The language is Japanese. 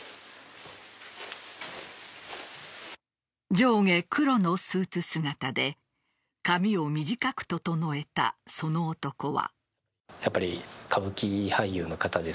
上下黒のスーツ姿で髪を短く整えた、その男は。